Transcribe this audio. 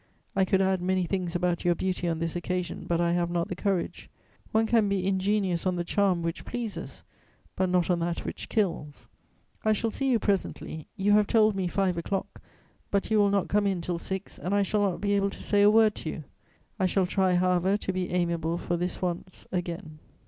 I could add many things about your beauty on this occasion, but I have not the courage. One can be ingenious on the charm which pleases, but not on that which kills. I shall see you presently; you have told me five o'clock, but you will not come in till six, and I shall not be able to say a word to you. I shall try, however, to be amiable for this once again."